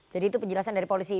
jadi itu penjelasan dari polisi